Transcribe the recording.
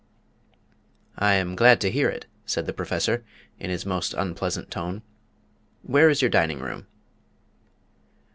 "I am glad to hear it," said the Professor, in his most unpleasant tone. "Where is your dining room?"